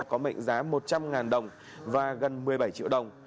có mệnh giá một trăm linh đồng và gần một mươi bảy triệu đồng